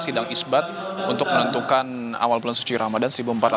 sedang isbat untuk menentukan awal bulan suci ramadan